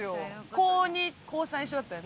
高２・高３一緒だったよね。